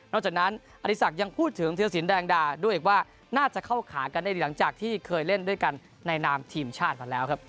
จากนั้นอริสักยังพูดถึงธิรสินแดงดาด้วยอีกว่าน่าจะเข้าขากันได้ดีหลังจากที่เคยเล่นด้วยกันในนามทีมชาติมาแล้วครับ